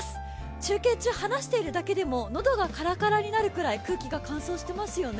中継中、話しているだけでも喉がカラカラになるくらい空気が乾燥していますよね。